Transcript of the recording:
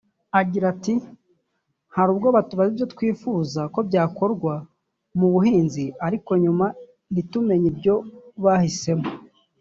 Agira ati “Hari ubwo batubaza ibyo twifuza ko byakorwa mu buhinzi ariko nyuma ntitumenye ibyo bahisemo